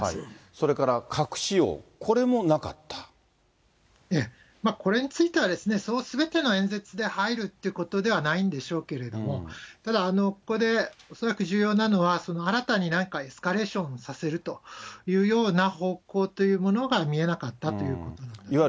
それから核使用、これもなかこれについてはですね、そうすべての演説で入るっていうことではないんでしょうけれども、ただここで恐らく重要なのは、新たになんかエスカレーションさせるというような方向というものが見えなかったということだと思います。